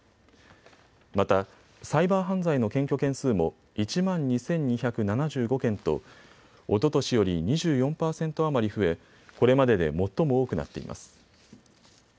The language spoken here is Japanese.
またサイバー犯罪の検挙件数も１万２２７５件とおととしより２４％余り増え、これまでで最も多くなっています。